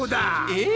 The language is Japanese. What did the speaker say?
え！